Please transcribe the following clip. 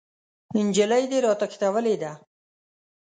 نجلۍ دې راتښتولې ده!